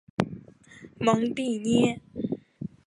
蒙蒂涅。